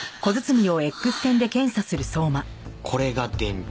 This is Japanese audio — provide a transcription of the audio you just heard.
これが電池。